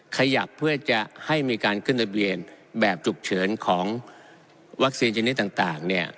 ขยับเพื่อจะให้มีการขึ้นทะเบียนแบบฉุกเฉินของวัคซีนชนิดต่างเนี่ย